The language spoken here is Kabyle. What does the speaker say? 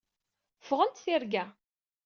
Ffɣent tirga.